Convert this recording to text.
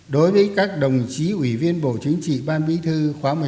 đối với các đồng chí ủy viên bộ chính trị ban bí thư khóa một mươi hai